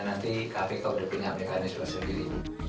nanti kpk sudah punya mekanisme sendiri